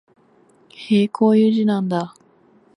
へえ、こういう字なんだ